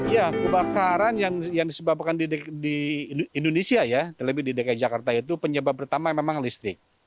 ya kebakaran yang disebabkan di indonesia ya terlebih di dki jakarta itu penyebab pertama memang listrik